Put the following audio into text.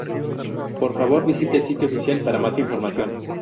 Por favor visite el sitio oficial para más información.